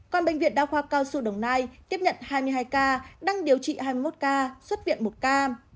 còn bệnh viện đa khoa cao xu đồng nai tiếp nhận hai mươi hai ca đang điều trị hai mươi một ca xuất viện một ca